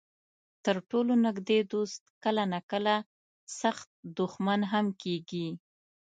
تر ټولو نږدې دوست کله ناکله سخت دښمن هم کېږي.